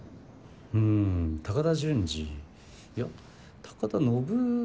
んん高田純次いや高田のぶ。